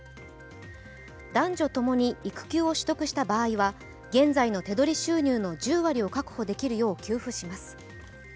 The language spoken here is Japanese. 男女ともに育休を取得した場合は現在の手取り収入の１０割を確保できるよう給付します。